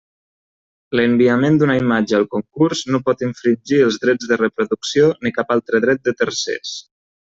L'enviament d'una imatge al concurs no pot infringir els drets de reproducció ni cap altre dret de tercers.